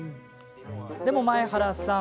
でも、前原さん